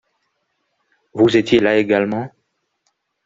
Vous étiez là également ?